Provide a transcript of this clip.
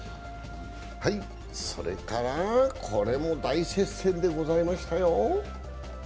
それから、これも大接戦でございましたよ。